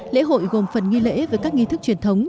lễ hội gồm phần nghi lễ với các nghi thức truyền thống